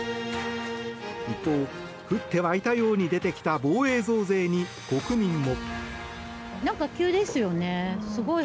一方降って湧いたように出てきた防衛増税に国民も。